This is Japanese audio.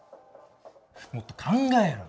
もっと考えろ。